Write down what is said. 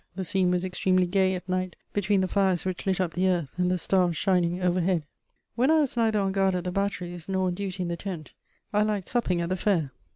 The scene was extremely gay at night, between the fires which lit up the earth and the stars shining overhead. When I was neither on guard at the batteries nor on duty in the tent, I liked supping at the fair.